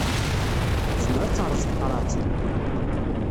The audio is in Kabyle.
Tezmer ad terreẓ tqerɛet-nni.